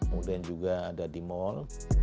kemudian juga ada di mal